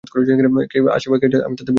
কে আসে বা কে যায়, তাতে আমি ভ্রূক্ষেপ করি না।